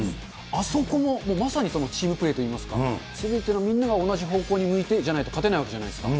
あそこもまさにチームプレーといいますか、すべてのみんなが同じ方向に向いてじゃないと勝てないわけじゃないですか。